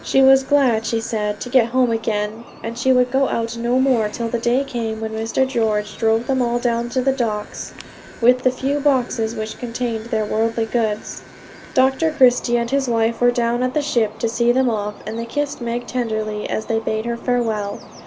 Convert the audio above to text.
She was glad, she said, to get home again, and she would go out no more till the day came when Mr George drove them all down to the docks, with the few boxes which contained their worldly goods. Dr Christie and his wife were down at the ship to see them off, and they kissed Meg tenderly as they bade her farewell.